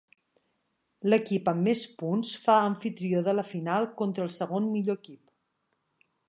L'equip amb més punts fa amfitrió de la final contra el segon millor equip.